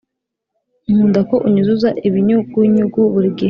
nkunda ko unyuzuza ibinyugunyugu buri gihe